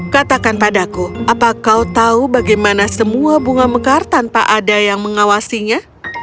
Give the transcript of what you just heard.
katakan padaku apa kau tahu bagaimana semua bunga mekar tanpa ada yang mengawasinya